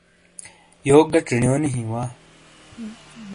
یوک گہ چھینیونی ہیں وا ۔